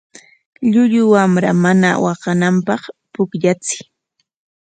Llullu wamra mana waqananpaq pukllachiy.